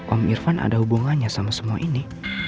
om irfan ada hubungannya sama semua ini